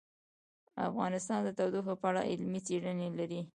افغانستان د تودوخه په اړه علمي څېړنې لري.